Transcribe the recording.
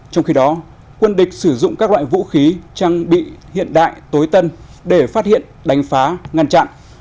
trong khi đó quân địch sử dụng các loại vũ khí trang bị hiện đại tối tân để phát hiện đánh phá ngăn chặn